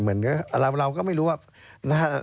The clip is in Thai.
เหมือนเราก็ไม่รู้ว่า